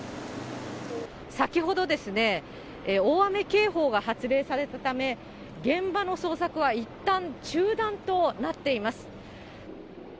先ほどですね、大雨警報が発令されたため、現場の捜索は、いったん中断となっています。